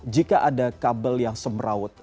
jika ada kabel yang semeraut